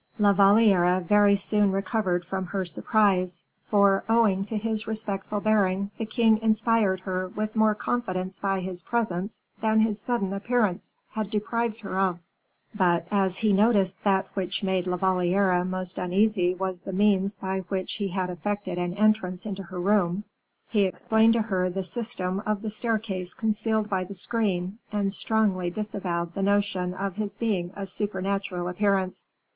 La Valliere very soon recovered from her surprise, for, owing to his respectful bearing, the king inspired her with more confidence by his presence than his sudden appearance had deprived her of. But, as he noticed that which made La Valliere most uneasy was the means by which he had effected an entrance into her room, he explained to her the system of the staircase concealed by the screen, and strongly disavowed the notion of his being a supernatural appearance.